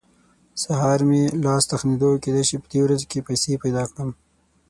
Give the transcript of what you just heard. سهار مې لاس تخېدو؛ کېدای شي په دې ورځو کې پيسې پیدا کړم.